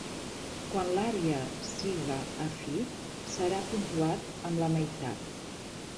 Quan l'àrea siga afí, serà puntuat amb la meitat.